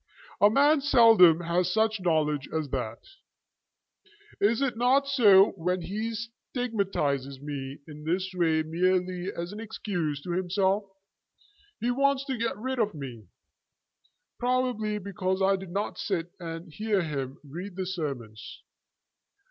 "A man seldom has such knowledge as that." "Is it not so when he stigmatizes me in this way merely as an excuse to himself? He wants to be rid of me, probably because I did not sit and hear him read the sermons.